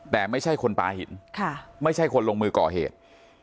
แต่ไม่ใช่คนปลาหินไม่ใช่คนลงมือก่อเหตุ